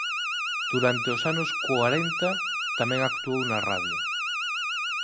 Durante os anos corenta tamén actuou na radio.